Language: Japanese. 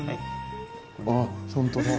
あっ本当だ。